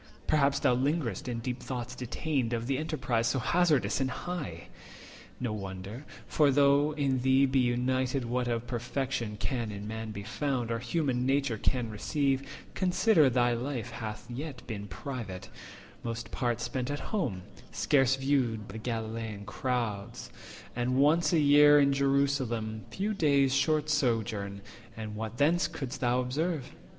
Perhaps thou linger'st in deep thoughts detained Of the enterprise so hazardous and high! No wonder; for, though in thee be united What of perfection can in Man be found, 230 Or human nature can receive, consider Thy life hath yet been private, most part spent At home, scarce viewed the Galilean towns, And once a year Jerusalem, few days' Short sojourn; and what thence couldst thou observe?